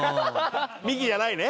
ミキじゃないね。